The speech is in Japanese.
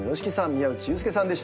宮内悠介さんでした！